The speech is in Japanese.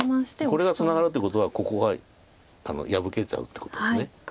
これがツナがるってことはここが破けちゃうってことです。